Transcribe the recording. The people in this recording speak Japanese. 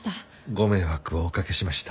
ご迷惑をおかけしました。